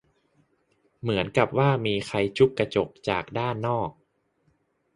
เหมือนกับว่ามีใครจุ๊บกระจกจากด้านนอก